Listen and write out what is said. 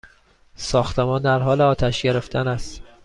ساختمان در حال آتش گرفتن است!